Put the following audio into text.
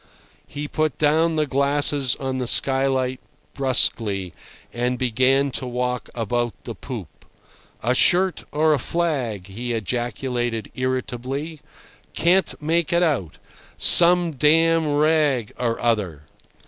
He put down the glasses on the skylight brusquely, and began to walk about the poop. "A shirt or a flag," he ejaculated irritably. "Can't make it out. .. Some damn rag or other!"